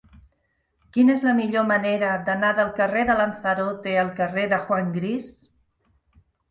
Quina és la millor manera d'anar del carrer de Lanzarote al carrer de Juan Gris?